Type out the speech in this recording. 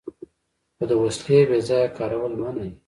خو د وسلې بې ځایه کارول منع دي.